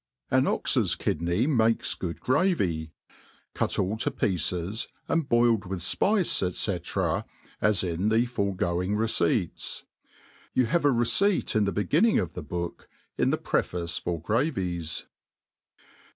An ox's kidney makes good gravy, cut all to pieces, and . boiled with fpice, &c. as, in the foregoing receipts. You have a receipt in the beginning of the book, in the preface for gravies.